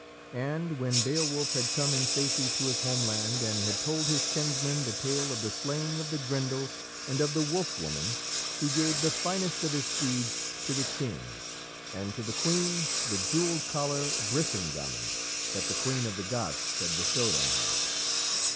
And when Beowulf had come in safety to his homeland and had told his kinsman the tale of the slaying of the Grendel and of the Wolf Woman, he gave the finest of his steeds to the King, and to the Queen the jewelled collar, Brisingamen, that the Queen of the Goths had bestowed on him.